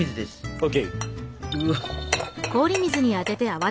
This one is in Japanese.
ＯＫ！